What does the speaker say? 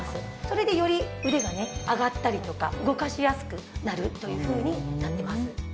それでより腕がね上がったりとか動かしやすくなるというふうになってます。